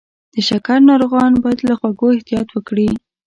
د شکر ناروغان باید له خوږو احتیاط وکړي.